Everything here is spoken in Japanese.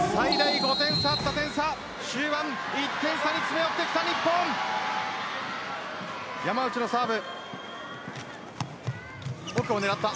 最大５点差あった点差が終盤１点差に詰め寄ってきた日本山内のサーブ。